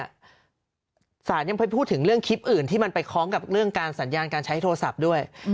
สารยังไปพูดถึงเรื่องคลิปอื่นที่มันไปคล้องกับเรื่องการสัญญาณการใช้โทรศัพท์ด้วย